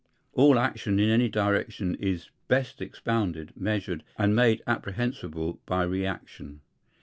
All action in any direction is best expounded, measured, and made apprehensible, by reaction.